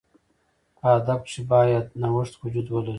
په ادب کښي باید نوښت وجود ولري.